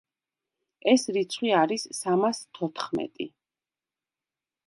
ეს რიცხვი არის სამას თოთხმეტი.